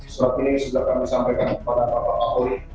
surat ini sudah kami sampaikan kepada bapak bapak polri